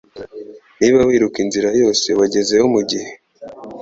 Niba wiruka inzira yose wagezeyo mugihe